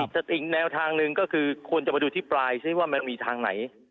แต่อีกแนวทางหนึ่งก็คือควรจะมาดูที่ปลายซิว่ามันมีทางไหน